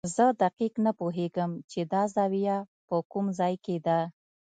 زه دقیق نه پوهېږم چې دا زاویه په کوم ځای کې ده.